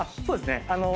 そうですね。